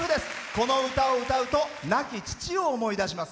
この歌を歌うと亡き父を思い出します。